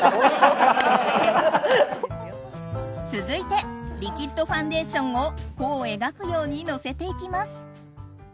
続いてリキッドファンデーションを弧を描くようにのせていきます。